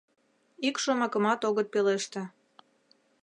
Ик шомакымат огыт пелеште.